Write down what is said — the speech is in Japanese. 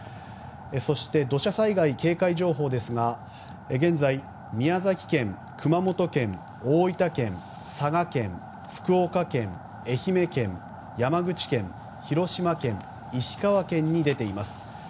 そして、土砂災害警戒情報ですが現在、宮崎県、大分県佐賀県、福岡県愛媛県、山口県、広島県石川県に出ています。